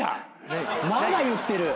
まだ言ってる！